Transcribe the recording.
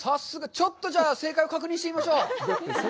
ちょっと正解を確認してみましょう。